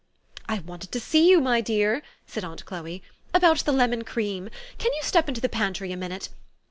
" I wanted to see you, my dear," said aunt Chloe, " about the lemon cream. Can you step into the pantry a minute?